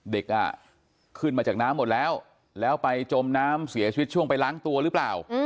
ขึ้นมาจากน้ำหมดแล้วแล้วไปจมน้ำเสียชีวิตช่วงไปล้างตัวหรือเปล่า